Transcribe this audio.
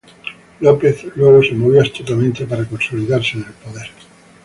López, luego se movió astutamente para consolidarse en el poder.